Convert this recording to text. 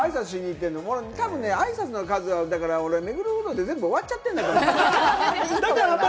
多分あいさつの数は俺、目黒不動で全部終わっちゃってるんだと思うんだよね。